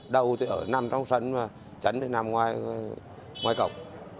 đâu thì ở nằm trong sân và chấn thì nằm ngoài cổng